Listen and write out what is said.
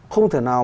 không thể nào